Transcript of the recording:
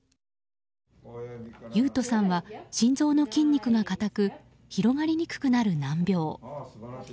維斗さんは心臓の筋肉が固く広がりにくくなる難病。